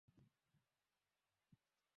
Mungu asifiwe kabisa.